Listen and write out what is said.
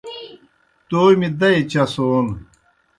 تومیْ دئی چسون